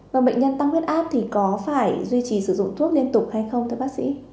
và bệnh nhân tăng huyết áp thì có phải duy trì sử dụng thuốc liên tục hay không thưa bác sĩ